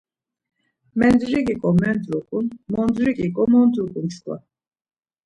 Mendriǩiǩo mendruǩun, mondriǩiǩo mondruǩun çkva.